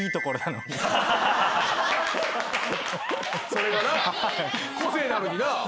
それがな個性なのにな。